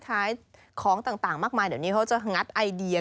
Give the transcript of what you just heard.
ของต่างมากมายเดี๋ยวนี้เขาจะงัดไอเดีย